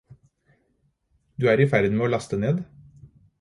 Du er i ferd med å laste ned